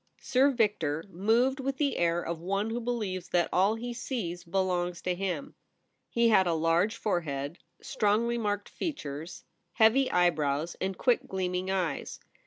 Sir Victor moved with the air of one who believes that all he sees belongs to him. He had a large fore head, strongly marked features, heavy eye brows, and quick gleaming eyes.